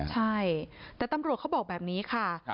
ใช่แต่ตำรวจเขาบอกแบบนี้ค่ะ